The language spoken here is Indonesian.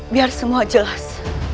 biar semua jelas